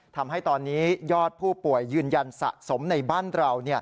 ทำให้ตอนนี้ยอดผู้ป่วยยืนยันสะสมในบ้านเรา